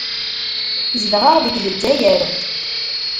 Zedɣeɣ deg Lezzayer.